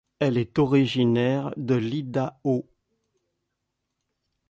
Elle est originaire de l'Idaho.